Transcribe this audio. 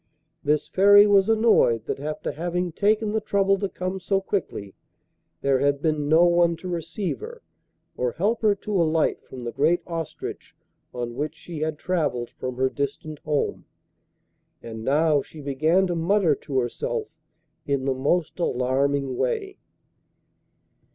This Fairy was annoyed that after having taken the trouble to come so quickly, there had been no one to receive her, or help her to alight from the great ostrich on which she had travelled from her distant home, and now she began to mutter to herself in the most alarming way.